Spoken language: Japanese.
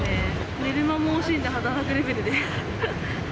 寝る間も惜しんで働くレベルで。